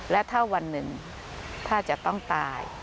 และถ้าวันหนึ่งถ้าจะต้องตาย